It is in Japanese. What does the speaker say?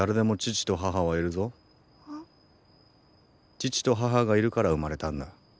父と母がいるから生まれたんだ。